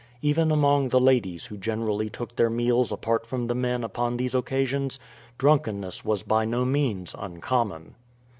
Even among the ladies, who generally took their meals apart from the men upon these occasions, drunkenness was by no means uncommon.